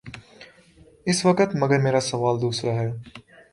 اس وقت مگر میرا سوال دوسرا ہے۔